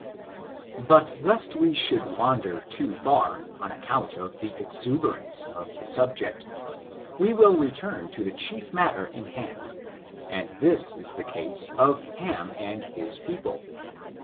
/ But lest we should wander too far, on account of the exuberance of the subject, we will return to the I chief matter in hand, and this is the case of Ham .' and his people.